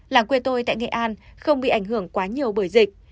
làng quê tôi tại nghệ an không bị ảnh hưởng quá nhiều bởi dịch